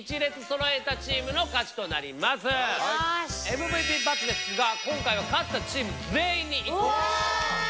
ＭＶＰバッジですが今回は勝ったチーム全員に１個ずつ。